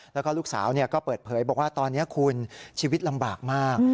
แล้วก็ลูกสาวก็เปิดเผยบอกว่าตอนนี้คุณชีวิตลำบากมาก